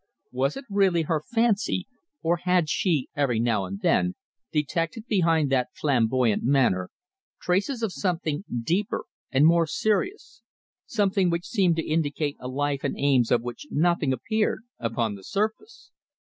Was it really her fancy or had she, every now and then, detected behind that flamboyant manner traces of something deeper and more serious, something which seemed to indicate a life and aims of which nothing appeared upon the surface?